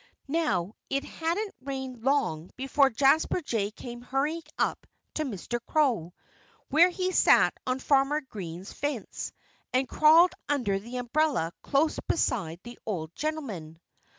Now, it hadn't rained long before Jasper Jay came hurrying up to Mr. Crow, where he sat on Farmer Green's fence, and crawled under the umbrella close beside the old gentleman.